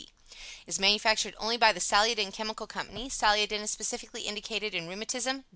Is manufactured only by the Saliodin Chemical Co. "Saliodin" is specifically indicated in Rheumatism.